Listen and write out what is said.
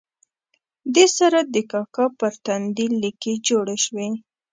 دې سره د کاکا پر تندي لیکې جوړې شوې.